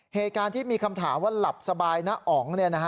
เหตุการณ์ที่มีคำถามว่าหลับสบายนะอ๋อง